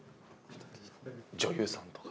女優さんとか。